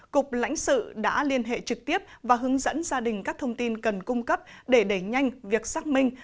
cục lãnh sự đã liên hệ trực tiếp và hướng dẫn gia đình các thông tin cần cung cấp để đẩy nhanh việc xác minh